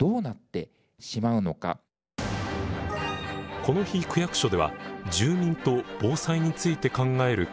この日区役所では住民と防災について考える会議が開かれました。